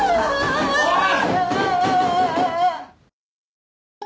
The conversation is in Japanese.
おい！